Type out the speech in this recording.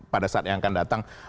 pada saat yang akan datang